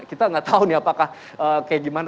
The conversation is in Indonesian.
kita nggak tahu nih apakah kayak gimana